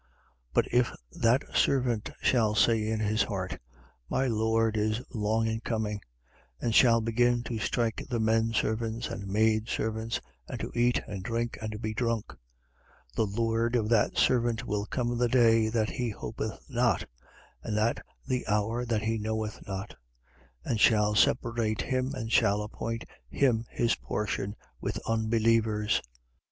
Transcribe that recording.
12:45. But if that servant shall say in his heart: My Lord is long a coming; and shall begin to strike the men servants and maid servants, and to eat and to drink and be drunk: 12:46. The lord of that servant will come in the day that he hopeth not, and at the hour that he knoweth not: and shall separate him and shall appoint him his portion with unbelievers.